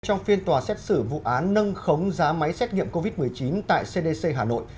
trong phiên tòa xét xử vụ án nâng khống giá máy xét nghiệm covid một mươi chín tại cdc hà nội